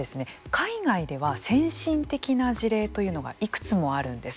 海外では先進的な事例というのがいくつもあるんです。